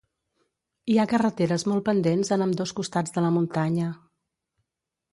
Hi ha carreteres molt pendents en ambdós costats de la muntanya.